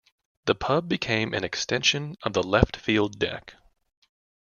The pub became an extension of the left field deck.